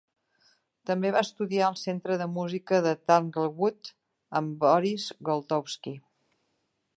També va estudiar al Centre de Música de Tanglewood amb Boris Goldovsky.